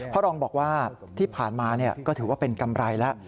รองบอกว่าที่ผ่านมาก็ถือว่าเป็นกำไรแล้ว